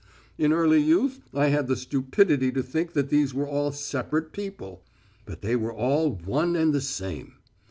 In early youth I had the stupidity to think that these were all separate people. But they were all one and the same.